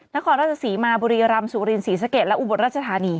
นครราชศรีมาบุรีรำสุรินศรีสะเกดและอุบลราชธานี